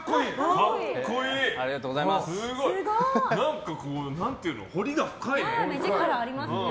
何か彫りが深いね。